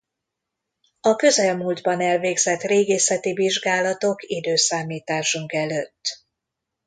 A közelmúltban elvégzett régészeti vizsgálatok i.e.